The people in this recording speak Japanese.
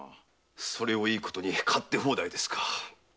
それをいいことに勝手放題ですか。